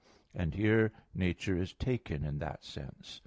And here nature is taken in that sense.